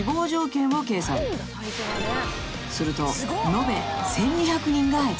［すると延べ１，２００人が閲覧］